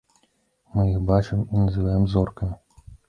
Мы іх бачым і называем зоркамі.